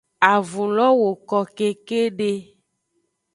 Avun lo woko kekede.